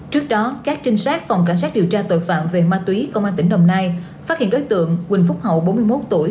trước đó các trinh sát phòng cảnh sát điều tra tội phạm về ma túy công an tỉnh đồng nai phát hiện đối tượng quỳnh phúc hậu bốn mươi một tuổi